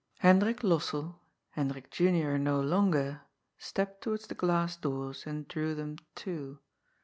Hekdrie Lossell, Hendrik Junior no longer, stepped towards the glass doors and drew them to.